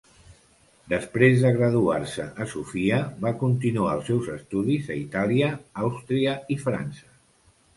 Després de graduar-se a Sofia, va continuar els seus estudis a Itàlia, Àustria i França.